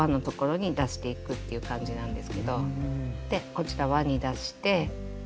こちら輪に出して。